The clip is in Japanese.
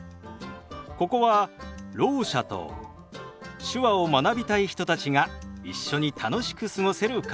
ここはろう者と手話を学びたい人たちが一緒に楽しく過ごせるカフェ。